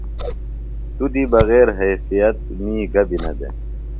توۡ دی بغیرحیثیت می گہ بیۡ نہ دےۡ۔